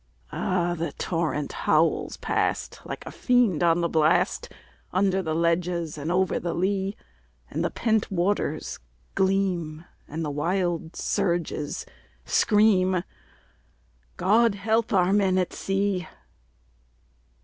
Ah! the torrent howls past, like a fiend on the blast, Under the ledges and over the lea; And the pent waters gleam, and the wild surges scream God help our men at sea!